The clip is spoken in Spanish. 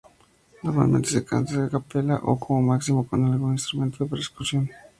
Normalmente se canta a capela o, como máximo, con algún instrumento de percusión.